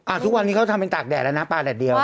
อ่าทุกวันนี้เขาก็ทำไปตากแดดละนะปลาแดดเดียว